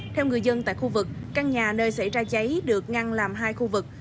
theo người dân tại khu vực căn nhà nơi xảy ra cháy được ngăn làm hai khu vực